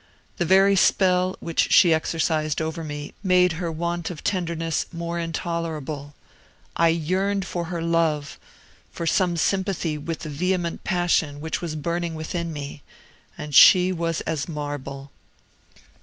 The very spell which she exercised over me made her want of tenderness more intolerable. I yearned for her love for some sympathy with the vehement passion which was burning within me; and she was as marble.